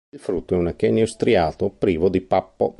Il frutto è un achenio striato, privo di pappo.